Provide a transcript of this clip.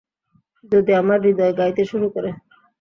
যদি আমার হৃদয় গাইতে শুরু করে।